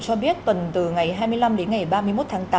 cho biết tuần từ ngày hai mươi năm đến ngày ba mươi một tháng tám